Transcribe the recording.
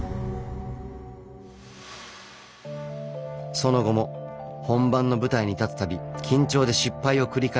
その後も本番の舞台に立つ度緊張で失敗を繰り返しました。